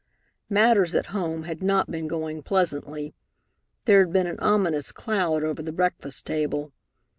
Matters at home had not been going pleasantly. There had been an ominous cloud over the breakfast table.